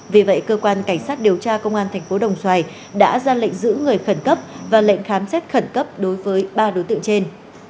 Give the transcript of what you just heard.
vì vậy cơ quan cảnh sát điều tra công an tp đồng xoài đã ra lệnh giữ người khẩn cấp và lệnh khám xét khẩn cấp đối với ba đối tượng trên